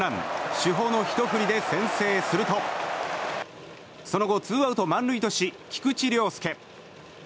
主砲のひと振りで先制するとその後ツーアウト満塁とし菊池涼介。